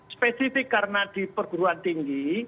spesifik karena di perguruan tinggi